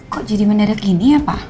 kok jadi mendadak gini ya pak